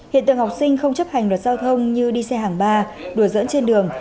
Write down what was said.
hiện tượng học sinh không chấp hành luật giao thông như đi xe hàng ba đuổi dẫn trên đường